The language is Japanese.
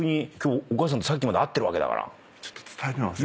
お母さんさっきまで会ってるわけだから。